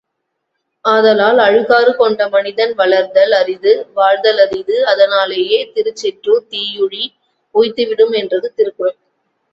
ஆதலால் அழுக்காறு கொண்ட மனிதன் வளர்தல் அரிது வாழ்தல் அரிது அதனாலேயே திருச்செற்றுத் தீயுழி உய்த்துவிடும் என்றது திருக்குறள்.